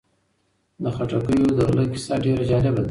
د خټکیو د غله کیسه ډېره جالبه ده.